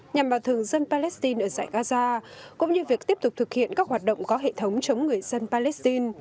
nhằm bảo thường dân palestine ở giải gaza cũng như việc tiếp tục thực hiện các hoạt động có hệ thống chống người dân palestine